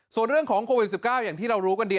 ส่วนเรื่องของโควิด๑๙อย่างที่เรารู้กันดี